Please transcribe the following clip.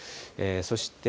そして